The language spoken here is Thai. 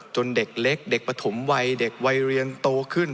เด็กเล็กเด็กปฐมวัยเด็กวัยเรียนโตขึ้น